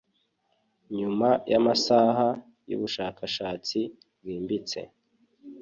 nyuma yamasaha yubushakashatsi bwimbitse